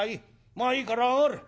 まあいいから上がれ。